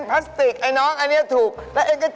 บอกแล้วที่ยอดเขา